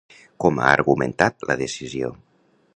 Com ha argumentat la decisió?